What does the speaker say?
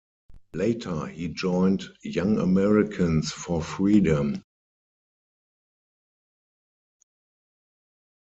Later he joined Young Americans for Freedom.